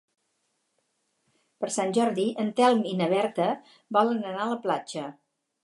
Per Sant Jordi en Telm i na Berta volen anar a la platja.